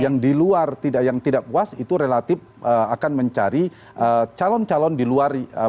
yang di luar yang tidak puas itu relatif akan mencari calon calon di luar